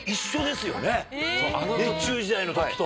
『熱中時代』の時と。